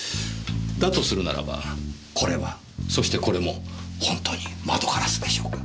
だとするならばこれはそしてこれもほんとに窓ガラスでしょうか？